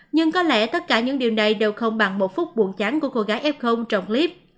nhưng có lẽ tất cả những điều này đều không bằng một phút buồn chán của cô gái f trong clip